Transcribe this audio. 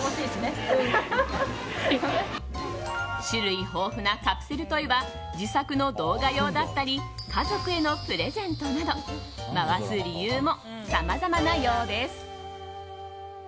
種類豊富なカプセルトイは自作の動画用だったり家族へのプレゼントなど回す理由もさまざまなようです。